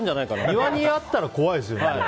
庭にあったら怖いですけどね。